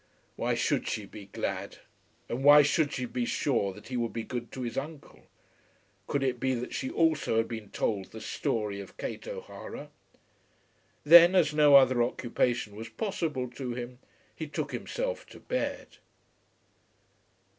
Why should she be glad, and why should she be sure that he would be good to his uncle? Could it be that she also had been told the story of Kate O'Hara? Then, as no other occupation was possible to him, he took himself to bed.